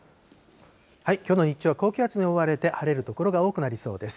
きょうの日中は高気圧に覆われて、晴れる所が多くなりそうです。